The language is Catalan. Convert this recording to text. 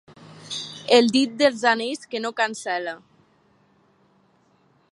El dit dels anells que no cancel·la.